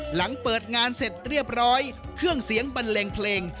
หลังเปิดงานเสร็จเรียบร้อยเครื่องเสียงบันเลงเพลง